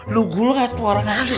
lu gulung aja tuh orang asli